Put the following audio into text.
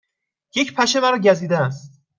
یک پشه مرا گزیده است.